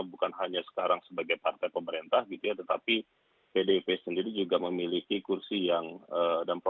bukan hanya elit politik yang sedang menunggu tetapi juga masyarakat